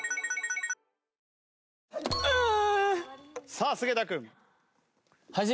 さあ菅田君。